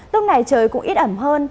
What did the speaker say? lúc này trời cũng ít ẩm hơn